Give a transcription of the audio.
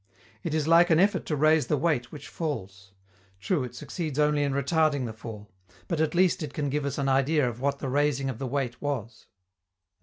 It is like an effort to raise the weight which falls. True, it succeeds only in retarding the fall. But at least it can give us an idea of what the raising of the weight was.